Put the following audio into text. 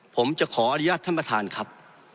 ผมจะขออนุญาตท่านประธานครับ